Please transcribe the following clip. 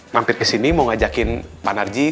mampir kesini mau ngajakin pak narji